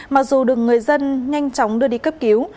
mặc dù được người dân nhanh chóng đưa đi cấp cứu